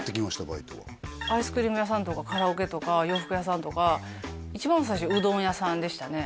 バイトはアイスクリーム屋さんとかカラオケとか洋服屋さんとか一番最初うどん屋さんでしたね